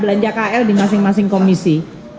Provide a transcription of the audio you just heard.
saya di masing masing komisi